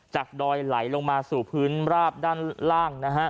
ดอยไหลลงมาสู่พื้นราบด้านล่างนะฮะ